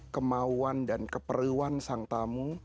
kemauan dan keperluan sang tamu